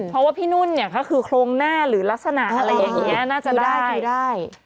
เพราะพี่นุ่นคือโครงหน้ารักษณะอะไรอย่างเนี่ยน่าจะได้